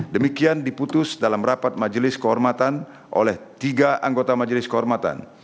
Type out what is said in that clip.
demikian diputus dalam rapat majelis kehormatan oleh tiga anggota majelis kehormatan